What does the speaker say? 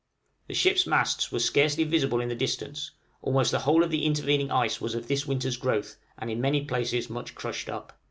The ship's masts were scarcely visible in the distance; almost the whole of the intervening ice was of this winter's growth, and in many places much crushed up.